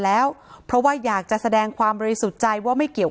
แล้วเพราะว่าอยากจะแสดงความบริสุทธิ์ใจว่าไม่เกี่ยว